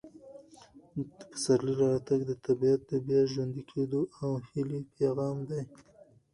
د پسرلي راتګ د طبیعت د بیا ژوندي کېدو او هیلې پیغام دی.